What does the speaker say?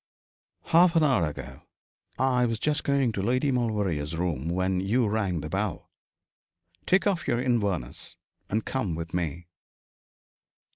'Half an hour ago. I was just going to Lady Maulevrier's room when you rang the bell. Take off your Inverness, and come with me.'